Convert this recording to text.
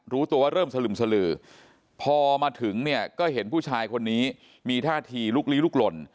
รู้ตัวว่าเริ่มสลึมสลือพอมาถึงเนี่ยก็เห็นผู้ชายคนนี้มีท่าทีลุกลี้ลุกหล่น